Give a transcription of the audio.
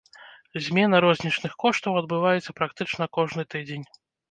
Змена рознічных коштаў адбываецца практычна кожны тыдзень.